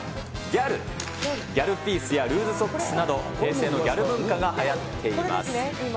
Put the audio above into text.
ぎゃるピースやルーズソックスなど、平成のギャル文化がはやっています。